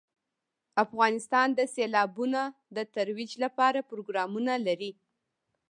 افغانستان د سیلابونه د ترویج لپاره پروګرامونه لري.